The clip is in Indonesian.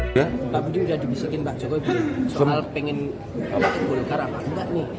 bapak budi sudah dibisikin mbak joko ibu soal pengen bawa bulkar apa enggak nih